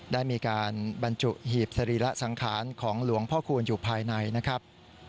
ได้มีการบรรจุหีบสรีระสังขารของหลวงพ่อคูณอยู่ภายในนะครับ